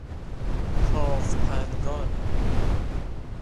کاوپنگان